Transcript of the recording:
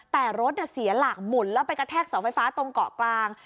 แต่รถเสียหลักหมุนแล้วไปกระแทกเสาไฟฟ้าตรงเกาะกลาง